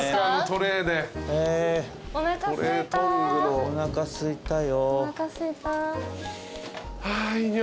おなかすいたよ。